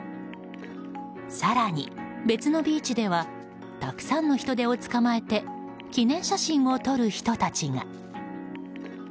更に別のビーチではたくさんのヒトデを捕まえて記念写真を撮る人たちが。